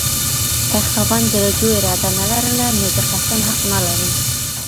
که خاوند د رجوع اراده نلرله، نو د قسم حق نلري.